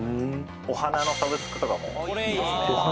お花のサブスクとかもお花？